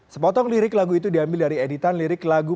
sepotong lirik lagu itu diambil dari editan lirik lagu